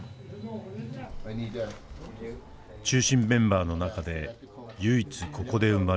中心メンバーの中で唯一ここで生まれ